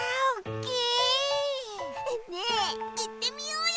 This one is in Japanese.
ねえいってみようよ！